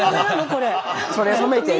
これ。